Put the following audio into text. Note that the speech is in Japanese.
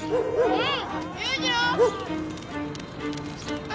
うん。